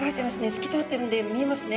透き通ってるんで見えますね。